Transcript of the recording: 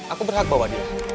aku berhak bawa dia